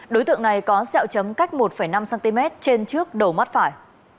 đối tượng này có xeo chấm cách một năm cm trên trước đầu mắt phải